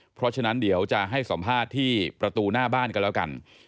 เพราะฉะนั้นเดี๋ยวจะให้สัมภาษณ์ที่ประตูหน้าบ้านกันแล้วกัน